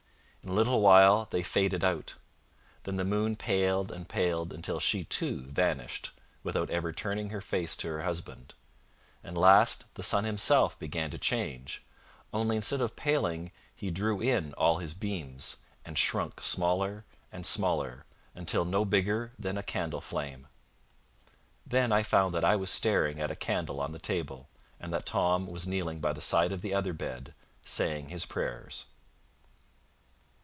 In a little while they faded out; then the moon paled and paled until she too vanished without ever turning her face to her husband; and last the sun himself began to change, only instead of paling he drew in all his beams, and shrunk smaller and smaller, until no bigger than a candle flame. Then I found that I was staring at a candle on the table; and that Tom was kneeling by the side of the other bed, saying his prayers.